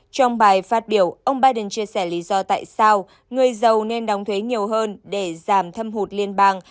trong bài phát biểu ông biden chia sẻ lý do tại sao người giàu nên đóng thuế nhiều hơn để giảm thâm hụt liên bang